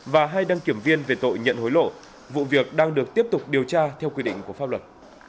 và hai đăng kiểm viên về tội nhận hối lộ vụ việc đang được tiếp tục điều tra theo quy định của pháp luật